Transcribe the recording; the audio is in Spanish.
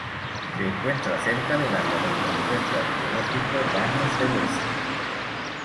Se encuentra cerca del área del Complejo arqueológico Baños de Boza.